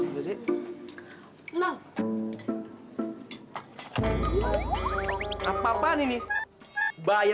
bukan itu bang maksud saya